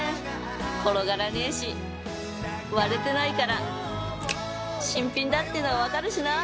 転がらねえし割れてないから新品だっての分かるしな！